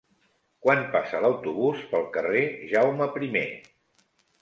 Quan passa l'autobús pel carrer Jaume I?